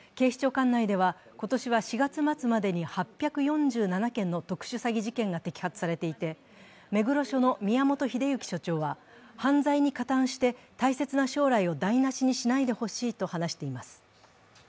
管内では、今年は４月末までに８４７件の特殊詐欺事件が摘発されていて、目黒署の宮本英行署長は犯罪に加担して大切な将来を台無しにしないでほしいと話しています。